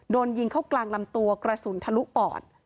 โดนยิงเข้ากลางลำตัวกระสุนทะลุปอด